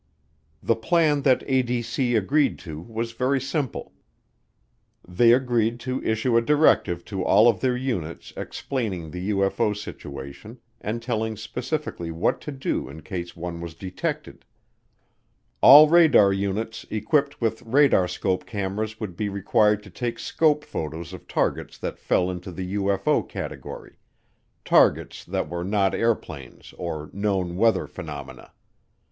The plan that ADC agreed to was very simple. They agreed to issue a directive to all of their units explaining the UFO situation and telling specifically what to do in case one was detected. All radar units equipped with radarscope cameras would be required to take scope photos of targets that fell into the UFO category targets that were not airplanes or known weather phenomena.